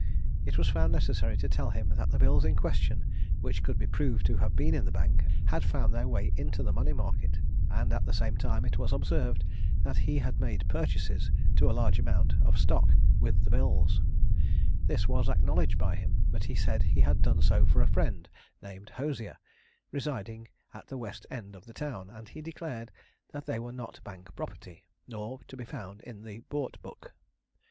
It was found necessary to tell him that the bills in question, which could be proved to have been in the Bank, had found their way into the money market; and at the same time it was observed, that he had made purchases, to a large amount, of stock, with the bills: this was acknowledged by him; but he said he had done so for a friend, named Hosier, residing at the west end of the town; and he declared that they were not Bank property, nor to be found in the Bought book.